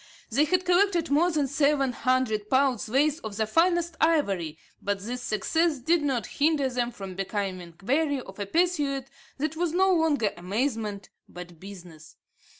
They had collected more than seven hundred pounds' weight of the finest ivory, but this success did not hinder them from becoming weary of a pursuit that was no longer amusement, but business.